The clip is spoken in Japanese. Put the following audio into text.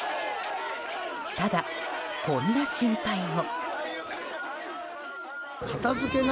ただ、こんな心配も。